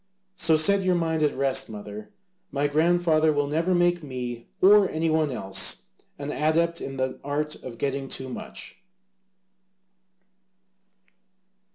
So set your mind at rest, mother, my grandfather will never make me, or any one else, an adept in the art of getting too much."